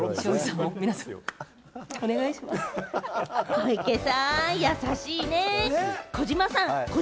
小池さん、優しいね。